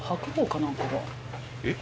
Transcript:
えっ？